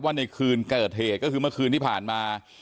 ในคืนเกิดเหตุก็คือเมื่อคืนที่ผ่านมา